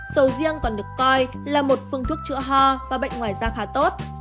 sầu riêng còn được coi là một phương thức chữa ho và bệnh ngoài da khá tốt